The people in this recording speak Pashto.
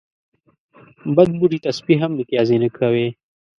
بد بوټي ته سپي هم متازې نه کوی